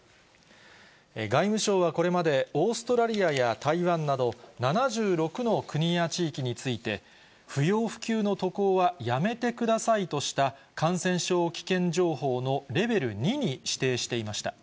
外務省はこれまで、オーストラリアや台湾など７６の国や地域について、不要不急の渡航はやめてくださいとした、感染症危険情報のレベル２に指定していました。